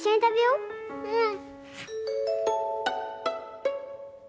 うん。